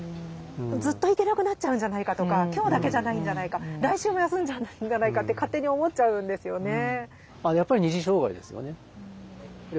ずっと行けなくなっちゃうんじゃないかとか今日だけじゃないんじゃないか来週も休んじゃうんじゃないかって勝手に思っちゃうんですよね。